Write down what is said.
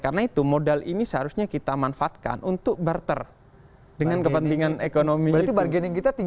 karena itu modal ini seharusnya kita manfaatkan untuk barter dengan kepentingan ekonomi itu berarti barter itu adalah kepentingan ekonomi